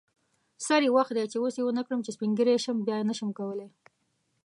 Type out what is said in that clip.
سری وخت دی چی اوس یی ونکړم چی سپین ږیری شم بیا نشم کولی